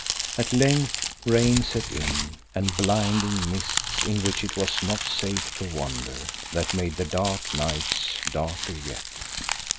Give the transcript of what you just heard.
At length rain set in, and blinding mists in which it was not safe to wander, that made the dark nights darker yet.